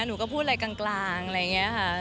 หนูก็พูดอะไรกลางอะไรอย่างนี้ค่ะ